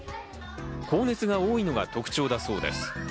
高熱が多いのが特徴だそうです。